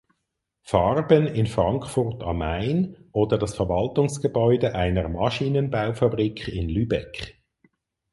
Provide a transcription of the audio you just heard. Farben in Frankfurt am Main oder das Verwaltungsgebäude einer Maschinenbaufabrik in Lübeck.